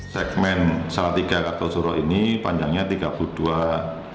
segmen salatiga kartasuro ini panjangnya tiga pagi